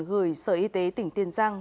gửi sở y tế tỉnh tiền giang